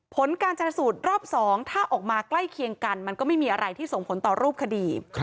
ผลการชนสูตรรอบ๒ถ้าออกมาใกล้เคียงกันมันก็ไม่มีอะไรที่ส่งผลต่อรูปคดี